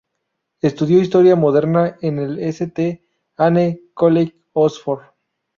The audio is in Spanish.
Estudio Historia Moderna en el St Anne's College, Oxford.